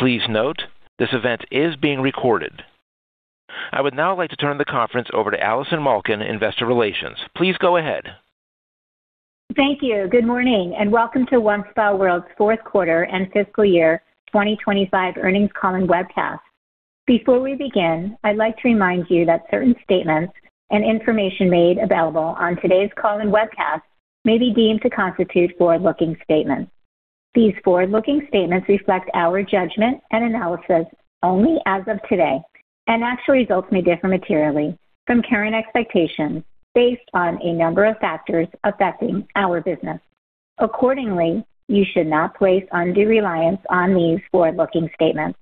Please note, this event is being recorded. I would now like to turn the conference over to Allison Malkin, Investor Relations. Please go ahead. Thank you. Good morning, and welcome to OneSpaWorld's Q4 and fiscal year 2025 earnings call and webcast. Before we begin, I'd like to remind you that certain statements and information made available on today's call and webcast may be deemed to constitute forward-looking statements. These forward-looking statements reflect our judgment and analysis only as of today, and actual results may differ materially from current expectations based on a number of factors affecting our business. Accordingly, you should not place undue reliance on these forward-looking statements.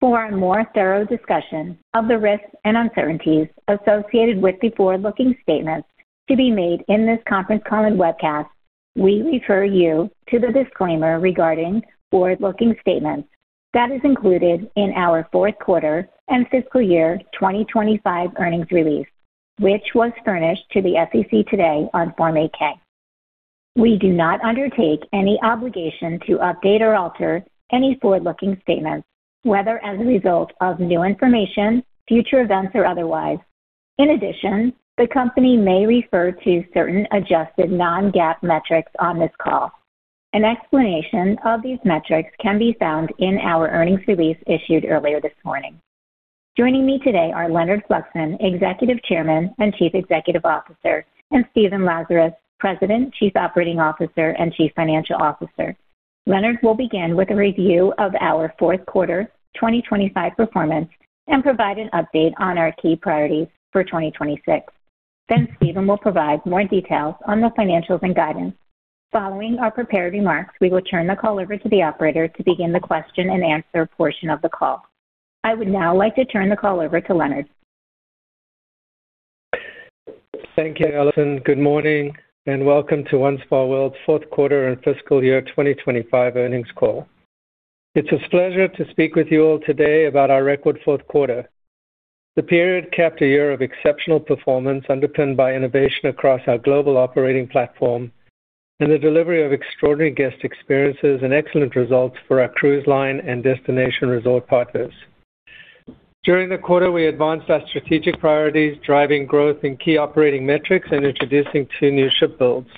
For a more thorough discussion of the risks and uncertainties associated with the forward-looking statements to be made in this conference call and webcast, we refer you to the disclaimer regarding forward-looking statements that is included in our Q4 and fiscal year 2025 earnings release, which was furnished to the SEC today on Form 8-K. We do not undertake any obligation to update or alter any forward-looking statements, whether as a result of new information, future events, or otherwise. In addition, the company may refer to certain adjusted non-GAAP metrics on this call. An explanation of these metrics can be found in our earnings release issued earlier this morning. Joining me today are Leonard Fluxman, Executive Chairman and Chief Executive Officer, and Stephen Lazarus, President, Chief Operating Officer, and Chief Financial Officer. Leonard will begin with a review of our Q4 2025 performance and provide an update on our key priorities for 2026. Then Stephen will provide more details on the financials and guidance. Following our prepared remarks, we will turn the call over to the operator to begin the question-and-answer portion of the call. I would now like to turn the call over to Leonard. Thank you, Allison. Good morning, and welcome to OneSpaWorld's Q4 and fiscal year 2025 earnings call. It's a pleasure to speak with you all today about our record Q4. The period capped a year of exceptional performance, underpinned by innovation across our global operating platform and the delivery of extraordinary guest experiences and excellent results for our cruise line and destination resort partners. During the quarter, we advanced our strategic priorities, driving growth in key operating metrics and introducing two new ship builds.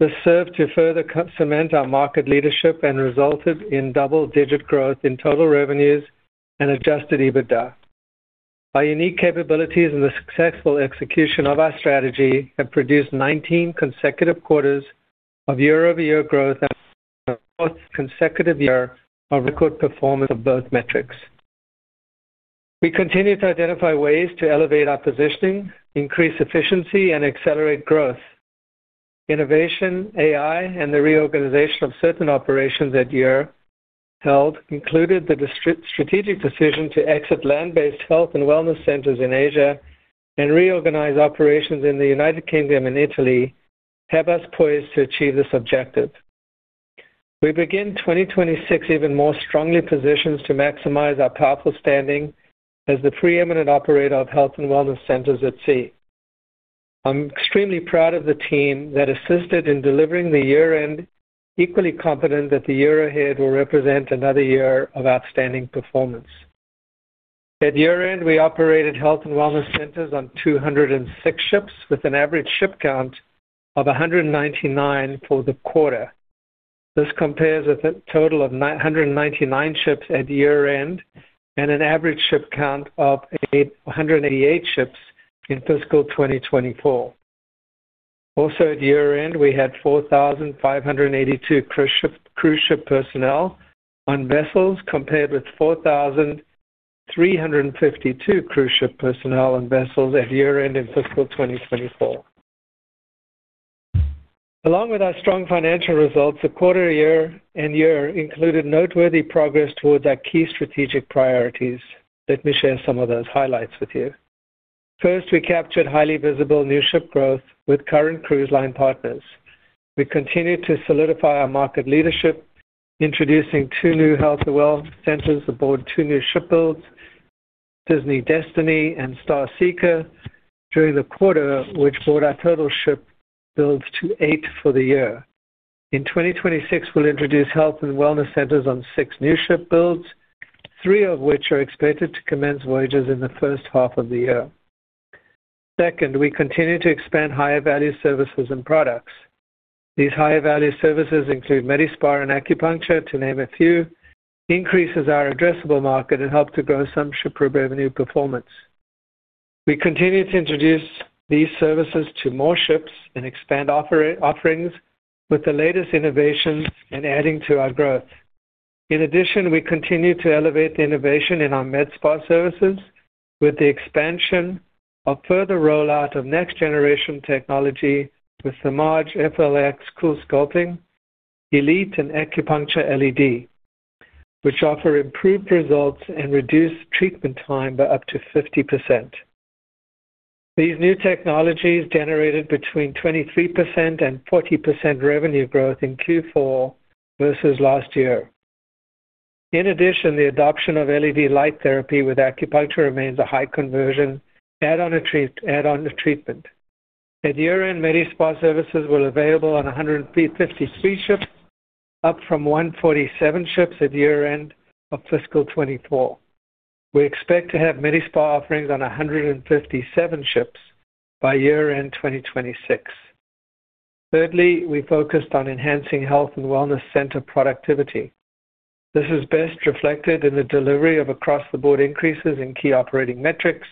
This served to further cement our market leadership and resulted in double-digit growth in total revenues and Adjusted EBITDA. Our unique capabilities and the successful execution of our strategy have produced 19 consecutive quarters of year-over-year growth and our fourth consecutive year of record performance of both metrics. We continue to identify ways to elevate our positioning, increase efficiency, and accelerate growth. Innovation, AI, and the reorganization of certain operations at year-end included the strategic decision to exit land-based health and wellness centers in Asia and reorganize operations in the United Kingdom and Italy, have us poised to achieve this objective. We begin 2026 even more strongly positioned to maximize our powerful standing as the preeminent operator of health and wellness centers at sea. I'm extremely proud of the team that assisted in delivering the year-end, equally confident that the year ahead will represent another year of outstanding performance. At year-end, we operated health and wellness centers on 206 ships, with an average ship count of 199 for the quarter. This compares with a total of 999 ships at year-end and an average ship count of 188 ships in fiscal 2024. Also, at year-end, we had 4,582 cruise ship personnel on vessels, compared with 4,352 cruise ship personnel on vessels at year-end in fiscal 2024. Along with our strong financial results, the quarter year and year included noteworthy progress towards our key strategic priorities. Let me share some of those highlights with you. First, we captured highly visible new ship growth with current cruise line partners. We continued to solidify our market leadership, introducing two new health and wellness centers aboard two new ship builds, Disney Destiny and Star Seeker, during the quarter, which brought our total ship builds to eight for the year. In 2026, we'll introduce health and wellness centers on six new ship builds, three of which are expected to commence voyages in the first half of the year. Second, we continue to expand higher-value services and products. These higher-value services include Medi-Spa and acupuncture, to name a few, increases our addressable market and help to grow some ship revenue performance. We continue to introduce these services to more ships and expand offerings with the latest innovations and adding to our growth. In addition, we continue to elevate the innovation in our Med Spa services with the expansion of further rollout of next-generation technology with the Morpheus8, FLX CoolSculpting Elite, and Acupuncture LED, which offer improved results and reduced treatment time by up to 50%. These new technologies generated between 23% and 40% revenue growth in Q4 versus last year. In addition, the adoption of LED light therapy with acupuncture remains a high conversion add-on to treatment. At year-end, MedSpa services were available on 153 ships, up from 147 ships at year-end of fiscal 2024. We expect to have MedSpa offerings on 157 ships by year-end 2026. Thirdly, we focused on enhancing health and wellness center productivity. This is best reflected in the delivery of across-the-board increases in key operating metrics,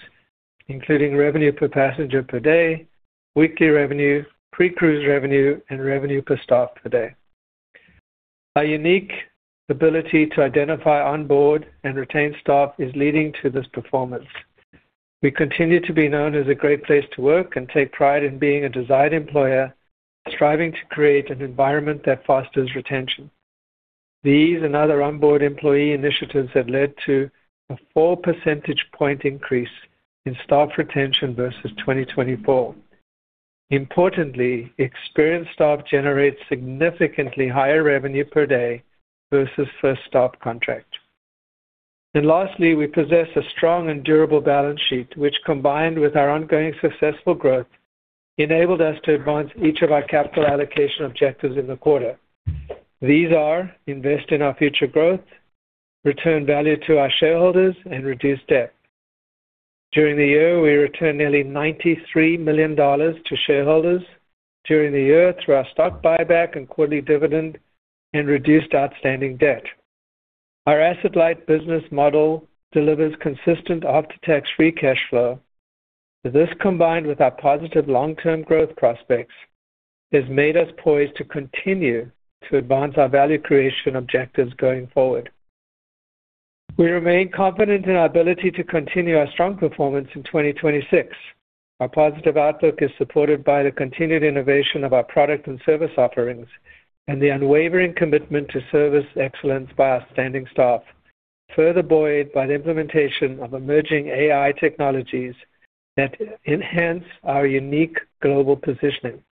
including revenue per passenger per day, weekly revenue, pre-cruise revenue, and revenue per staff per day. Our unique ability to identify on board and retain staff is leading to this performance. We continue to be known as a great place to work and take pride in being a desired employer, striving to create an environment that fosters retention. These and other onboard employee initiatives have led to a four percentage point increase in staff retention versus 2024. Importantly, experienced staff generates significantly higher revenue per day versus first staff contract. Lastly, we possess a strong and durable balance sheet, which, combined with our ongoing successful growth, enabled us to advance each of our capital allocation objectives in the quarter. These are: invest in our future growth, return value to our shareholders and reduce debt. During the year, we returned nearly $93 million to shareholders during the year through our stock buyback and quarterly dividend and reduced outstanding debt. Our asset-light business model delivers consistent after-tax free cash flow. This, combined with our positive long-term growth prospects, has made us poised to continue to advance our value creation objectives going forward. We remain confident in our ability to continue our strong performance in 2026. Our positive outlook is supported by the continued innovation of our product and service offerings and the unwavering commitment to service excellence by our standing staff, further buoyed by the implementation of emerging AI technologies that enhance our unique global positioning.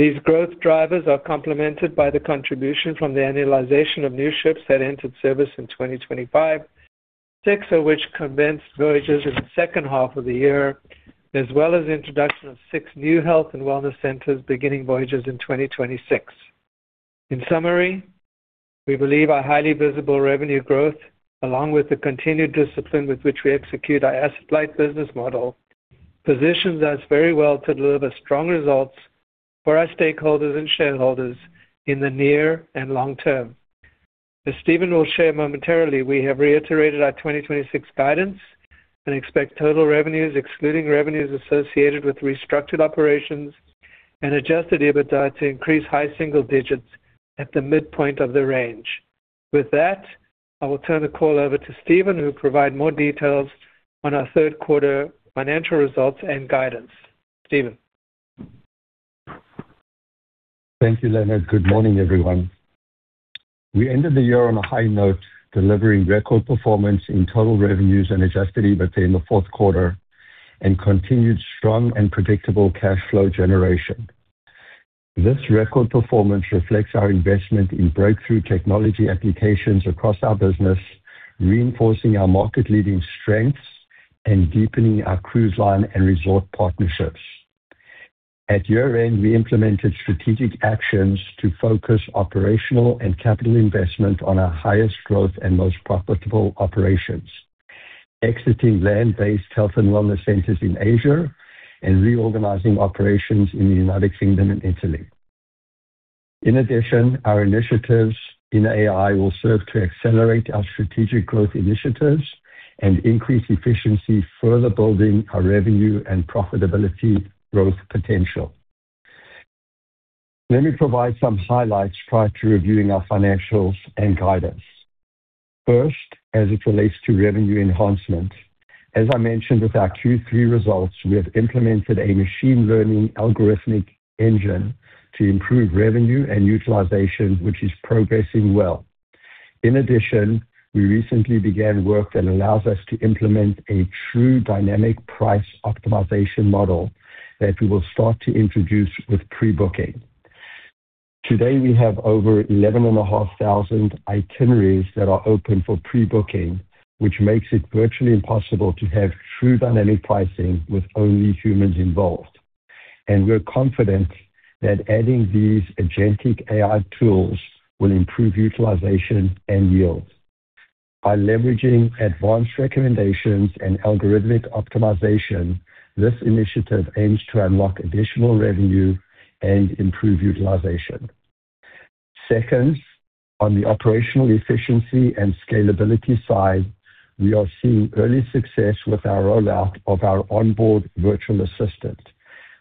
These growth drivers are complemented by the contribution from the annualization of new ships that entered service in 2025, six of which commenced voyages in the second half of the year, as well as the introduction of six new health and wellness centers beginning voyages in 2026. In summary, we believe our highly visible revenue growth, along with the continued discipline with which we execute our asset-light business model, positions us very well to deliver strong results for our stakeholders and shareholders in the near and long term. As Stephen will share momentarily, we have reiterated our 2026 guidance and expect total revenues, excluding revenues associated with restructured operations and Adjusted EBITDA, to increase high single digits at the midpoint of the range. With that, I will turn the call over to Stephen, who will provide more details on our Q3 financial results and guidance. Stephen? Thank you, Leonard. Good morning, everyone. We ended the year on a high note, delivering record performance in total revenues and Adjusted EBITDA in the Q4 and continued strong and predictable cash flow generation. This record performance reflects our investment in breakthrough technology applications across our business, reinforcing our market-leading strengths and deepening our cruise line and resort partnerships. At year-end, we implemented strategic actions to focus operational and capital investment on our highest growth and most profitable operations, exiting land-based health and wellness centers in Asia and reorganizing operations in the United Kingdom and Italy. In addition, our initiatives in AI will serve to accelerate our strategic growth initiatives and increase efficiency, further building our revenue and profitability growth potential. Let me provide some highlights prior to reviewing our financials and guidance. First, as it relates to revenue enhancement, as I mentioned with our Q3 results, we have implemented a machine learning algorithmic engine to improve revenue and utilization, which is progressing well. In addition, we recently began work that allows us to implement a true dynamic price optimization model that we will start to introduce with pre-booking. Today, we have over 11,500 itineraries that are open for pre-booking, which makes it virtually impossible to have true dynamic pricing with only humans involved. And we're confident that adding these agentic AI tools will improve utilization and yield. By leveraging advanced recommendations and algorithmic optimization, this initiative aims to unlock additional revenue and improve utilization. Second, on the operational efficiency and scalability side, we are seeing early success with our rollout of our onboard virtual assistant.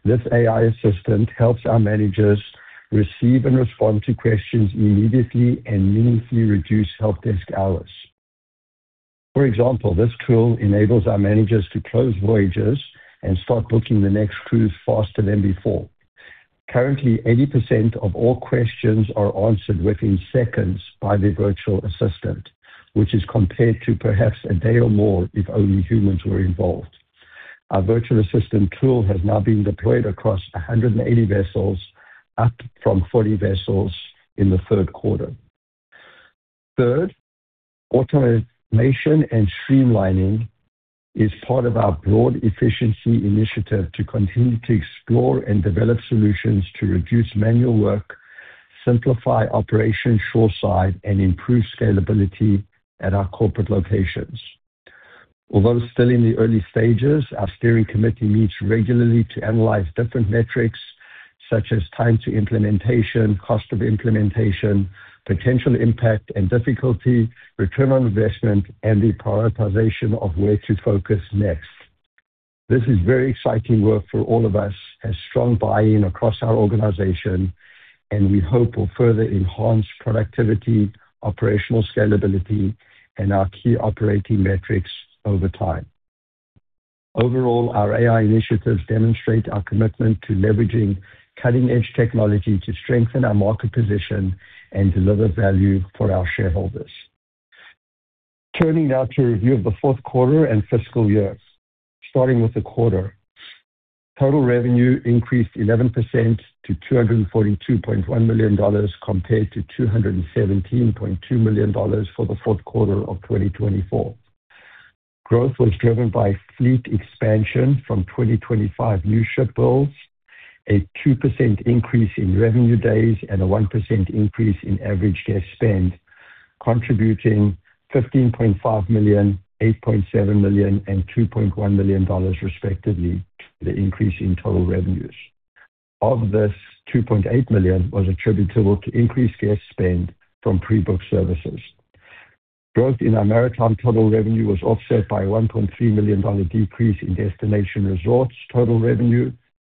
This AI assistant helps our managers receive and respond to questions immediately and meaningfully reduce help desk hours. For example, this tool enables our managers to close voyages and start booking the next cruise faster than before. Currently, 80% of all questions are answered within seconds by the virtual assistant, which is compared to perhaps a day or more if only humans were involved. Our virtual assistant tool has now been deployed across 180 vessels, up from 40 vessels in the Q3.... Third, automation and streamlining is part of our broad efficiency initiative to continue to explore and develop solutions to reduce manual work, simplify operation shoreside, and improve scalability at our corporate locations. Although still in the early stages, our steering committee meets regularly to analyze different metrics, such as time to implementation, cost of implementation, potential impact and difficulty, return on investment, and the prioritization of where to focus next. This is very exciting work for all of us, has strong buy-in across our organization, and we hope will further enhance productivity, operational scalability, and our key operating metrics over time. Overall, our AI initiatives demonstrate our commitment to leveraging cutting-edge technology to strengthen our market position and deliver value for our shareholders. Turning now to a review of the Q4 and fiscal year. Starting with the quarter. Total revenue increased 11% to $242.1 million, compared to $217.2 million for the Q4 of 2024. Growth was driven by fleet expansion from 2025 new ship builds, a 2% increase in revenue days, and a 1% increase in average guest spend, contributing $15.5 million, $8.7 million, and $2.1 million, respectively, to the increase in total revenues. Of this, $2.8 million was attributable to increased guest spend from pre-booked services. Growth in our maritime total revenue was offset by a $1.3 million decrease in destination resorts total revenue,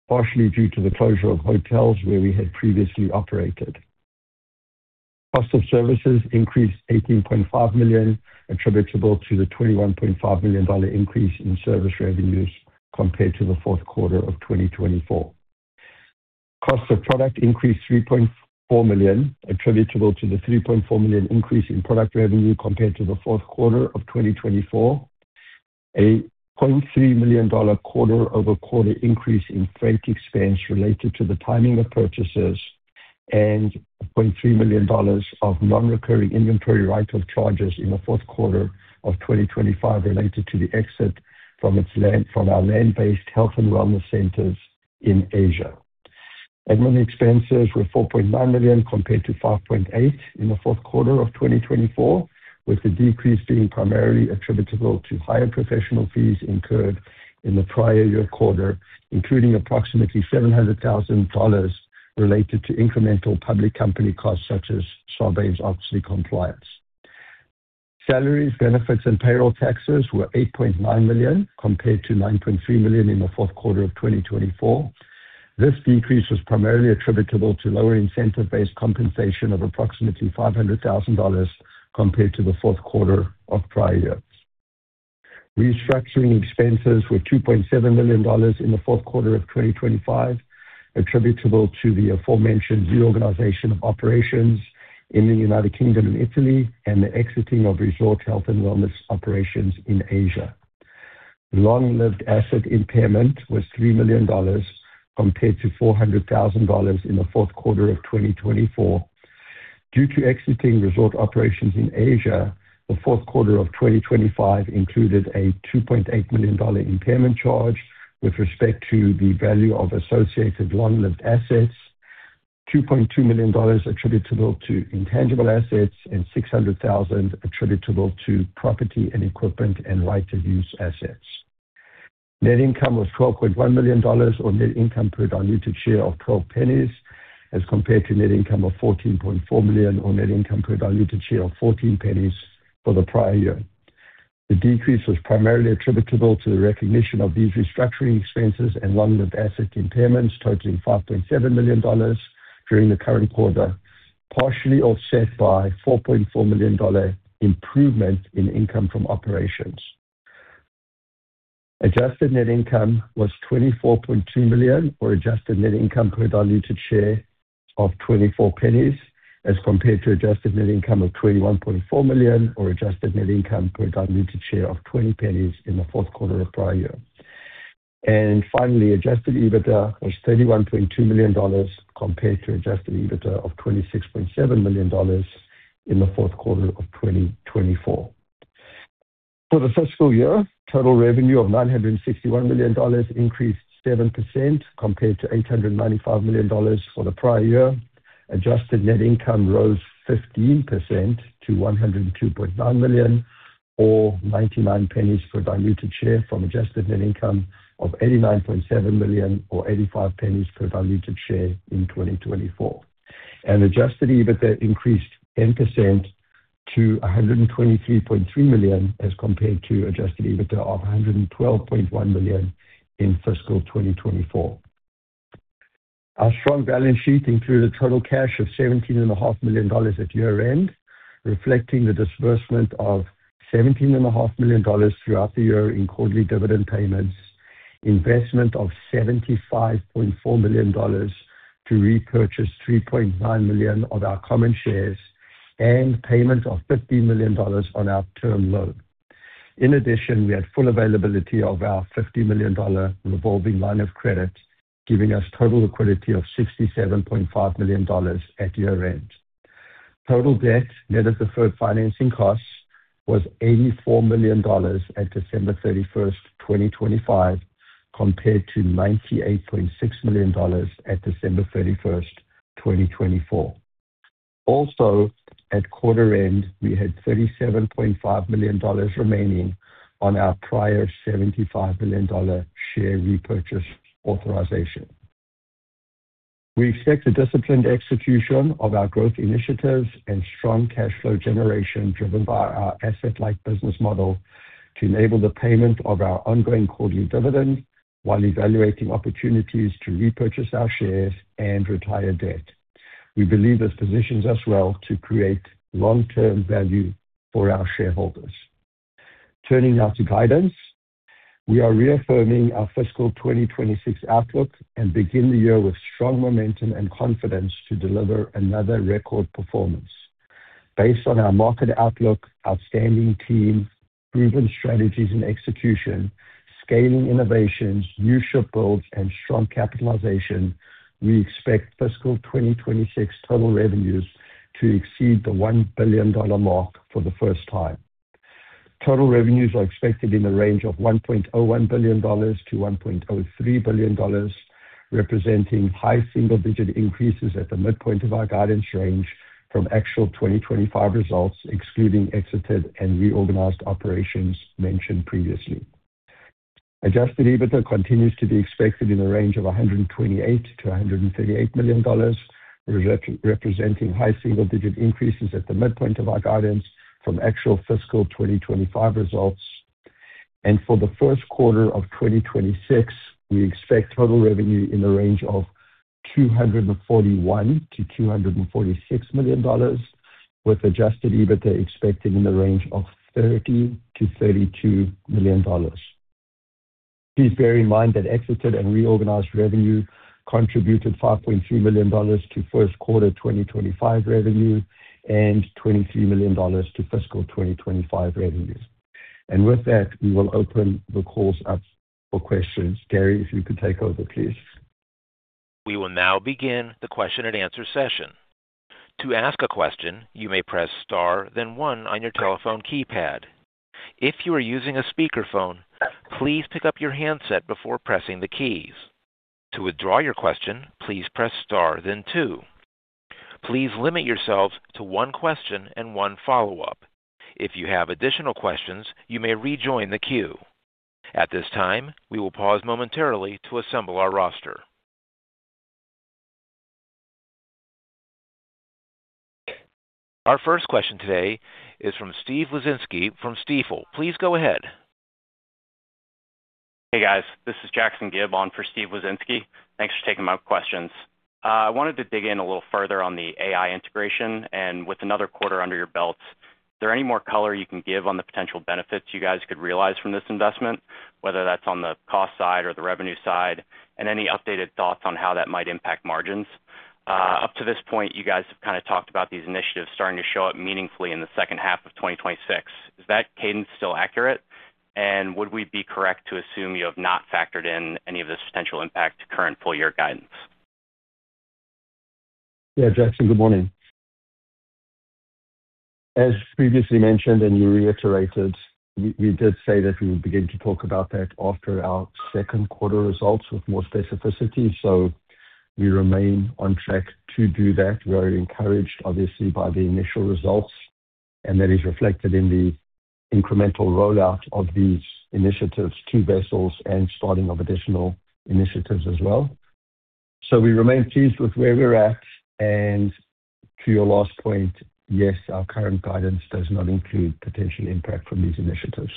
partially due to the closure of hotels where we had previously operated. Cost of services increased $18.5 million, attributable to the $21.5 million increase in service revenues compared to the Q4 of 2024. Cost of product increased $3.4 million, attributable to the $3.4 million increase in product revenue compared to the Q4 of 2024. A $0.3 million quarter-over-quarter increase in freight expense related to the timing of purchases and $0.3 million of non-recurring inventory write-off charges in the Q4 of 2025 related to the exit from our land-based health and wellness centers in Asia. Admin expenses were $4.9 million, compared to $5.8 million in the Q4 of 2024, with the decrease being primarily attributable to higher professional fees incurred in the prior year quarter, including approximately $700,000 related to incremental public company costs, such as Sarbanes-Oxley compliance. Salaries, benefits, and payroll taxes were $8.9 million, compared to $9.3 million in the Q4 of 2024. This decrease was primarily attributable to lower incentive-based compensation of approximately $500,000 compared to the Q4 of prior years. Restructuring expenses were $2.7 million in the Q4 of 2025, attributable to the aforementioned reorganization of operations in the United Kingdom and Italy and the exiting of resort health and wellness operations in Asia. Long-lived asset impairment was $3 million compared to $400,000 in the Q4 of 2024. Due to exiting resort operations in Asia, the Q4 of 2025 included a $2.8 million impairment charge with respect to the value of associated long-lived assets, $2.2 million attributable to intangible assets, and $600,000 attributable to property and equipment and right to use assets. Net income was $12.1 million, or net income per diluted share of $0.12, as compared to net income of $14.4 million, or net income per diluted share of $0.14 for the prior year. The decrease was primarily attributable to the recognition of these restructuring expenses and long-lived asset impairments totaling $5.7 million during the current quarter, partially offset by $4.4 million improvement in income from operations. Adjusted net income was $24.2 million, or adjusted net income per diluted share of $0.24, as compared to adjusted net income of $21.4 million, or adjusted net income per diluted share of $0.20 in the Q4 of prior year. And finally, adjusted EBITDA was $31.2 million, compared to adjusted EBITDA of $26.7 million in the Q4 of 2024. For the fiscal year, total revenue of $961 million increased 7% compared to $895 million for the prior year. Adjusted net income rose 15% to $102.9 million, or $0.99 per diluted share, from adjusted net income of $89.7 million, or $0.85 per diluted share in 2024. Adjusted EBITDA increased 10% to $123.3 million, as compared to Adjusted EBITDA of $112.1 million in fiscal 2024. Our strong balance sheet included total cash of $17.5 million at year-end, reflecting the disbursement of $17.5 million throughout the year in quarterly dividend payments, investment of $75.4 million to repurchase 3.9 million of our common shares, and payment of $15 million on our term loan. In addition, we had full availability of our $50 million revolving line of credit, giving us total liquidity of $67.5 million at year-end. Total debt net of deferred financing costs was $84 million at December 31, 2025, compared to $98.6 million at December 31, 2024. Also, at quarter-end, we had $37.5 million remaining on our prior $75 million share repurchase authorization. We expect a disciplined execution of our growth initiatives and strong cash flow generation, driven by our asset-light business model, to enable the payment of our ongoing quarterly dividend, while evaluating opportunities to repurchase our shares and retire debt. We believe this positions us well to create long-term value for our shareholders. Turning now to guidance. We are reaffirming our fiscal 2026 outlook and begin the year with strong momentum and confidence to deliver another record performance. Based on our market outlook, outstanding team, proven strategies and execution, scaling innovations, new ship builds, and strong capitalization, we expect fiscal 2026 total revenues to exceed the $1 billion mark for the first time. Total revenues are expected in the range of $1.01 billion-$1.03 billion, representing high single-digit increases at the midpoint of our guidance range from actual 2025 results, excluding exited and reorganized operations mentioned previously. Adjusted EBITDA continues to be expected in the range of $128 million-$138 million, representing high single-digit increases at the midpoint of our guidance from actual fiscal 2025 results. For the Q1 of 2026, we expect total revenue in the range of $241 million-$246 million, with Adjusted EBITDA expected in the range of $30 million-$32 million. Please bear in mind that exited and reorganized revenue contributed $5.3 million to Q1 2025 revenue and $23 million to fiscal 2025 revenues. With that, we will open the calls up for questions. Gary, if you could take over, please. We will now begin the question and answer session. To ask a question, you may press Star, then one on your telephone keypad. If you are using a speakerphone, please pick up your handset before pressing the keys. To withdraw your question, please press Star then two. Please limit yourselves to one question and one follow-up. If you have additional questions, you may rejoin the queue. At this time, we will pause momentarily to assemble our roster. Our first question today is from Steve Wieczynski from Stifel. Please go ahead. Hey, guys. This is Jackson Gibb on for Steve Wieczynski. Thanks for taking my questions. I wanted to dig in a little further on the AI integration, and with another quarter under your belt, is there any more color you can give on the potential benefits you guys could realize from this investment, whether that's on the cost side or the revenue side, and any updated thoughts on how that might impact margins? Up to this point, you guys have kind of talked about these initiatives starting to show up meaningfully in the second half of 2026. Is that cadence still accurate? And would we be correct to assume you have not factored in any of this potential impact to current full year guidance? Yeah, Jackson, good morning. As previously mentioned, and you reiterated, we did say that we would begin to talk about that after our Q2 results with more specificity. So we remain on track to do that. We are encouraged, obviously, by the initial results, and that is reflected in the incremental rollout of these initiatives to vessels and starting of additional initiatives as well. So we remain pleased with where we're at. To your last point, yes, our current guidance does not include potential impact from these initiatives.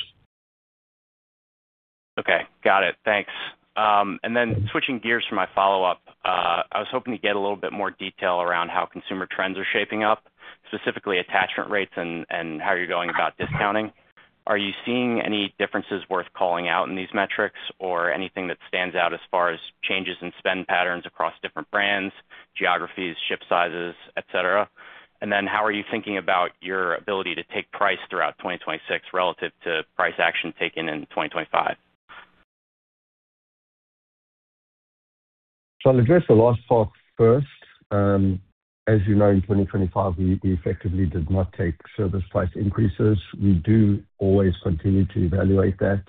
Okay, got it. Thanks. And then switching gears for my follow-up, I was hoping to get a little bit more detail around how consumer trends are shaping up, specifically attachment rates and, and how you're going about discounting. Are you seeing any differences worth calling out in these metrics or anything that stands out as far as changes in spend patterns across different brands, geographies, ship sizes, et cetera? And then how are you thinking about your ability to take price throughout 2026 relative to price action taken in 2025? So I'll address the last part first. As you know, in 2025, we effectively did not take service price increases. We do always continue to evaluate that,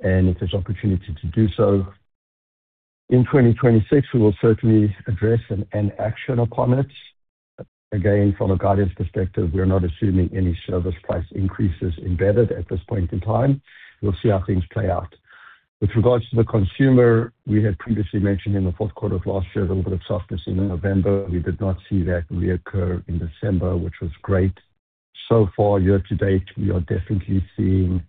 and if there's opportunity to do so. In 2026, we will certainly address and action upon it. Again, from a guidance perspective, we are not assuming any service price increases embedded at this point in time. We'll see how things play out. With regards to the consumer, we had previously mentioned in the Q4 of last year, a little bit of softness in November. We did not see that reoccur in December, which was great. So far, year to date, we are definitely seeing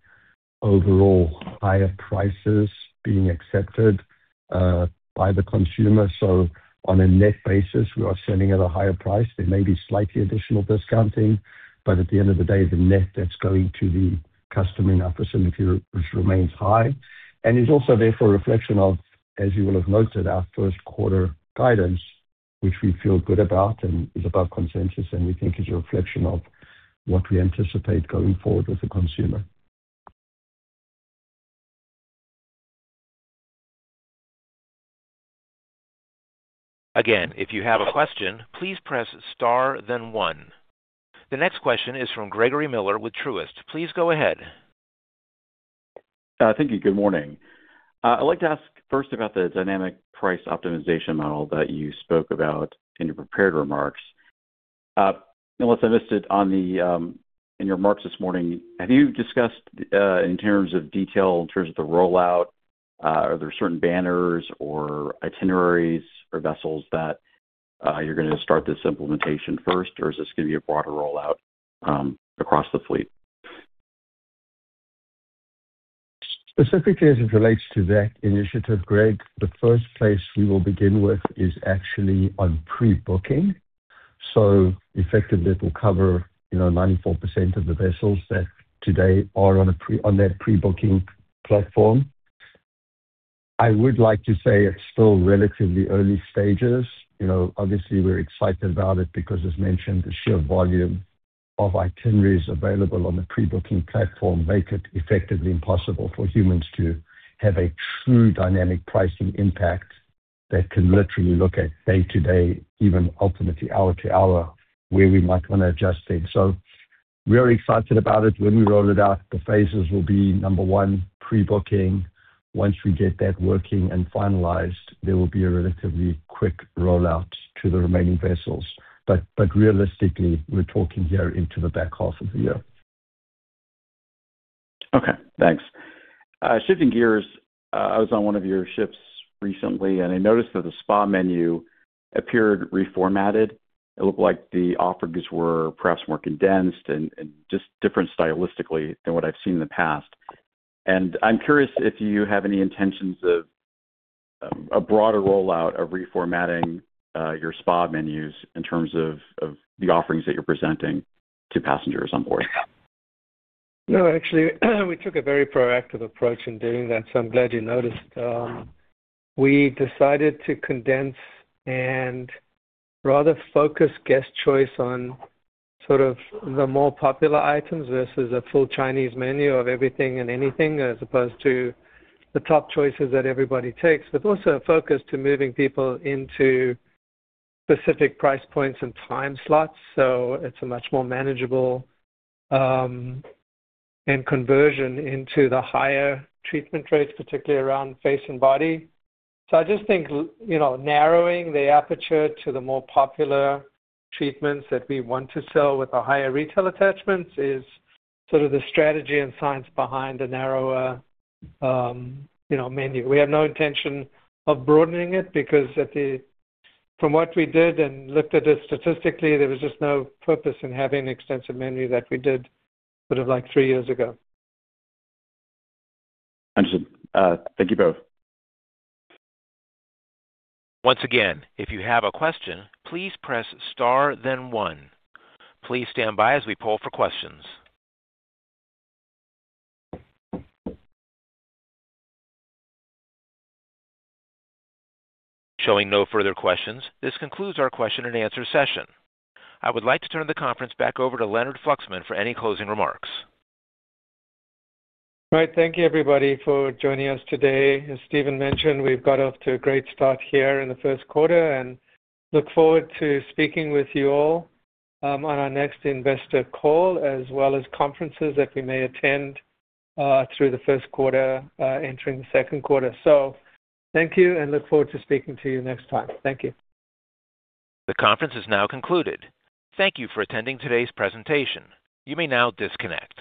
overall higher prices being accepted by the consumer. So on a net basis, we are selling at a higher price. There may be slightly additional discounting, but at the end of the day, the net that's going to the customer in our facility, which remains high and is also therefore a reflection of, as you will have noted, our Q1 guidance, which we feel good about and is above consensus, and we think is a reflection of what we anticipate going forward with the consumer. Again, if you have a question, please press star then one. The next question is from Gregory Miller with Truist. Please go ahead. Thank you. Good morning. I'd like to ask first about the dynamic price optimization model that you spoke about in your prepared remarks. Unless I missed it on the, in your remarks this morning, have you discussed, in terms of detail, in terms of the rollout, are there certain banners or itineraries or vessels that, you're gonna start this implementation first? Or is this gonna be a broader rollout, across the fleet? Specifically, as it relates to that initiative, Greg, the first place we will begin with is actually on pre-booking. So effectively, it will cover, you know, 94% of the vessels that today are on a pre- on that pre-booking platform. I would like to say it's still relatively early stages. You know, obviously, we're excited about it because, as mentioned, the sheer volume of itineraries available on the pre-booking platform make it effectively impossible for humans to have a true dynamic pricing impact that can literally look at day to day, even ultimately hour to hour, where we might want to adjust things. So we're excited about it. When we roll it out, the phases will be, number one, pre-booking. Once we get that working and finalized, there will be a relatively quick rollout to the remaining vessels. But realistically, we're talking here into the back half of the year. Okay, thanks. Shifting gears, I was on one of your ships recently, and I noticed that the spa menu appeared reformatted. It looked like the offerings were perhaps more condensed and, and just different stylistically than what I've seen in the past. I'm curious if you have any intentions of a broader rollout of reformatting your spa menus in terms of, of the offerings that you're presenting to passengers on board? No, actually, we took a very proactive approach in doing that, so I'm glad you noticed. We decided to condense and rather focus guest choice on sort of the more popular items versus a full Chinese menu of everything and anything, as opposed to the top choices that everybody takes. But also a focus to moving people into specific price points and time slots. So it's a much more manageable, and conversion into the higher treatment rates, particularly around face and body. So I just think, you know, narrowing the aperture to the more popular treatments that we want to sell with a higher retail attachment is sort of the strategy and science behind the narrower, you know, menu. We have no intention of broadening it because, from what we did and looked at it statistically, there was just no purpose in having an extensive menu that we did sort of like three years ago. Understood. Thank you both. Once again, if you have a question, please press Star then one. Please stand by as we poll for questions. Showing no further questions, this concludes our question and answer session. I would like to turn the conference back over to Leonard Fluxman for any closing remarks. Right. Thank you, everybody, for joining us today. As Stephen mentioned, we've got off to a great start here in the Q1 and look forward to speaking with you all, on our next investor call, as well as conferences that we may attend, through the Q1, entering the Q2. So thank you, and look forward to speaking to you next time. Thank you. The conference is now concluded. Thank you for attending today's presentation. You may now disconnect.